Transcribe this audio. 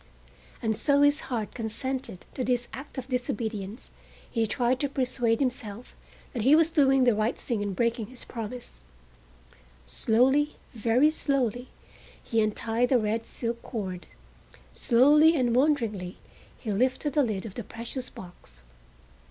And so his heart consented to this act of disobedience, and he tried to persuade himself that he was doing the right thing in breaking his promise. Slowly, very slowly, he untied the red silk cord, slowly and wonderingly he lifted the lid of the precious box.